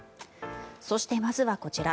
そして、まずはこちら。